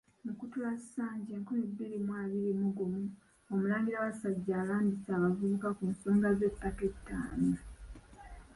Mukutulansanja enkumi bbiri mu abiri mu gumu, Omulangira Wasajja alambise abavubuka ku nsonga z'ettaka ettaano.